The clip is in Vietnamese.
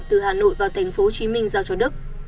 từ hà nội vào tp hcm giao cho đức